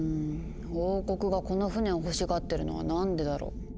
王国がこの船を欲しがってるのは何でだろう？